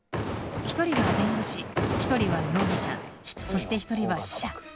１人は弁護士、１人は容疑者そして、１人は死者。